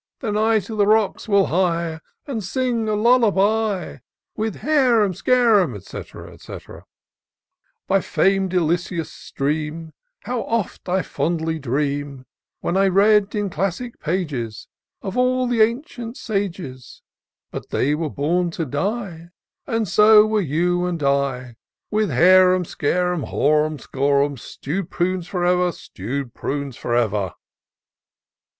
Then I to the rocks will hie. And sing a lullaby; With harum scarum, &c. &c. IN SEARCH OF THE PICTURESQUE. By fam'd Ilyssus' stream How oft I fondly dream, When I read in classic pages, Of all the ancient sages ; But they were bom to die, And so were you and I ; With harum scarum, horum scorum, Stew'd prunes for everl Stew'd prunes for ever